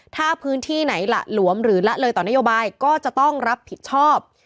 ถ้าพื้นที่ไหนหละหลวมหรือละเลยต่อนโยบายก็จะต้องรับผิดชอบ